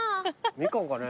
ミカンかね？